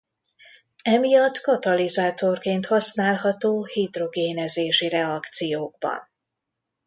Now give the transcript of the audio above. Emiatt katalizátorként használható hidrogénezési reakciókban.